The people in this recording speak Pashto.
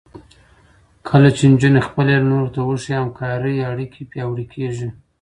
کله چې نجونې خپل علم نورو ته وښيي، همکارۍ اړیکې پیاوړې کېږي.